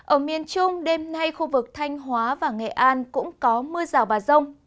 ở miền trung đêm nay khu vực thanh hóa và nghệ an cũng có mưa rải rác